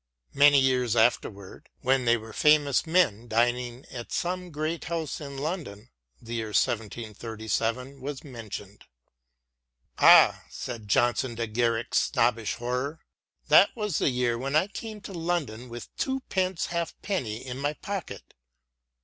Many years afterwards, when they were famous men dining at some great house in London, the year 1737 was mentioned. " Ah !" said Johnson to Garrick's snobbish horror, " that was the year when I came to London with twopence halfpenny in my pocket."